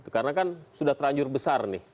karena kan sudah terlanjur besar nih